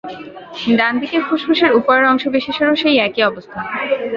ডানদিকের ফুসফুসের উপরের অংশবিশেষেরও সেই একই অবস্থা।